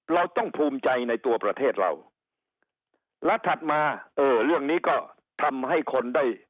เราต้องภูมิใจในตัวประเทศเราและถัดมาเออเรื่องนี้ก็ทำให้คนได้